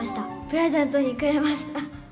プレゼントにくれました。